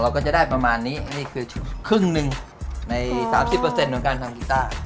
ก็จะได้ประมาณนี้นี่คือครึ่งหนึ่งใน๓๐ของการทำกีต้า